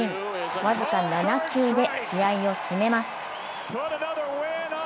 僅か７球で試合を締めます。